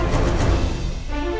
bisa begini okey